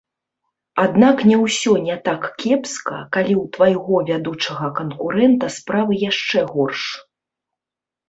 Аднак не ўсё не так кепска, калі ў твайго вядучага канкурэнта справы яшчэ горш.